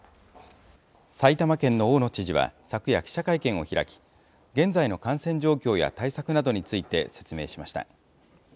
埼玉県の大野知事は昨夜、記者会見を開き、現在の感染状況や対策などについて説明しました。